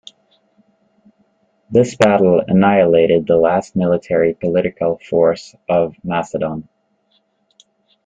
This battle annihilated the last military-political force of Macedon.